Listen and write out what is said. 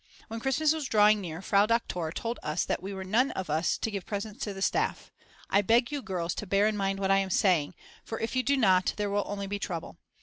When Christmas was drawing near Frau Doktor told us that we were none of us to give presents to the staff. "I beg you, girls, to bear in mind what I am saying, for if you do not there will only be trouble.